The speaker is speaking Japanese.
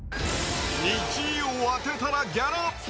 １位を当てたらギャラアップ。